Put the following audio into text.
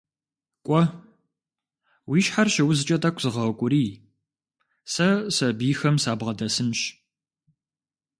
Кӏуэ, уи щхьэр щыузкӏэ тӏэкӏу зыгъэукӏурий, сэ сэбийхэм сабгъэдэсынщ.